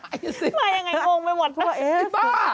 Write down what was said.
เคยมายังไงน่งงไปหมดแม่